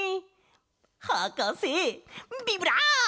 はかせビブラーボ！